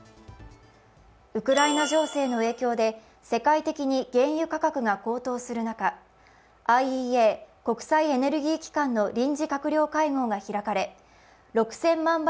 ウクライナ情勢の影響で世界的に原油価格が高騰する中ＩＥＡ＝国際エネルギー機関の臨時閣僚会合が開かれ６０００万